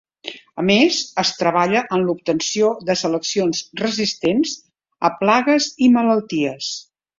A més, es treballa en l’obtenció de seleccions resistents a plagues i malalties.